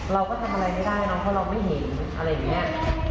เราก็ทำอะไรไม่ได้นะเพราะว่าเรามิเห็นอะไรเหมือนเนี่ย